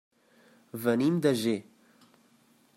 Venim de Ger.